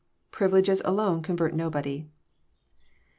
Privileges alone convert nobody.